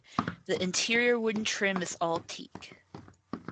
The interior wooden trim is all teak.